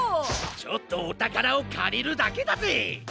ちょっとおたからをかりるだけだぜ！